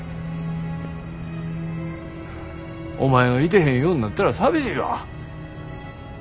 お前がいてへんようなったら寂しいわ。